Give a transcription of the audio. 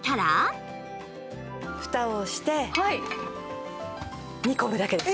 ふたをして煮込むだけです。